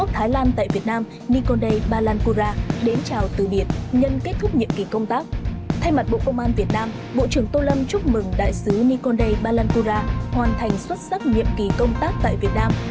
thay mặt bộ công an việt nam bộ trưởng tô lâm chúc mừng đại sứ nikonde balancura hoàn thành xuất sắc nhiệm kỳ công tác tại việt nam